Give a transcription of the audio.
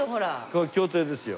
これ競艇ですよ。